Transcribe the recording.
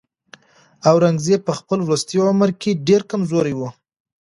اورنګزېب په خپل وروستي عمر کې ډېر کمزوری و.